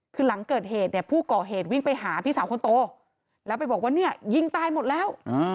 คือหลังเกิดเหตุเนี่ยผู้ก่อเหตุวิ่งไปหาพี่สาวคนโตแล้วไปบอกว่าเนี่ยยิงตายหมดแล้ว